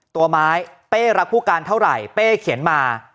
ตัวไม้เป้รักผู้การเท่าไหร่เป้เขียนมา